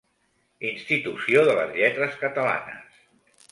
Institució de les Lletres Catalanes.